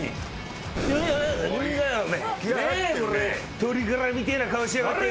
鶏がらみてえな顔しやがってよ。